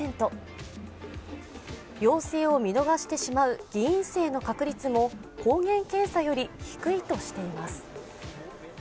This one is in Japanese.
陽性を見逃してしまう偽陰性の確率も抗原検査より低いとしています。